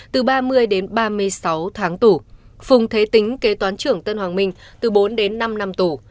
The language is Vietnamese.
từ ba mươi đến ba mươi sáu tháng tù phùng thế tính kế toán trưởng tân hoàng minh từ bốn đến năm năm tù